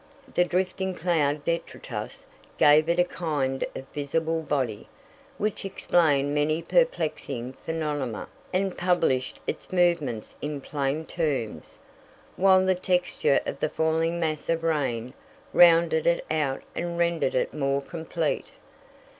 The drifting cloud detritus gave it a kind of visible body, which explained many perplexing phenomena, and published its movements in plain terms, while the texture of the falling mass of rain rounded it out and rendered it more complete.